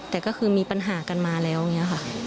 แต่ก็คือมีปัญหากันมาแล้วอย่างนี้ค่ะ